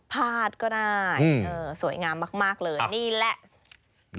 พาดก็ได้สวยงามมากเลยนี่แหละ